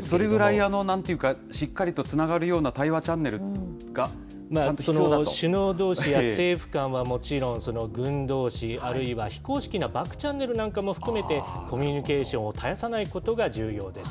それぐらいなんていうか、しっかりとつながるような対話チャ首脳どうしや政府間はもちろん、軍どうし、あるいは、非公式なバックチャンネルなんかも含めて、コミュニケーションを絶やさないことが重要です。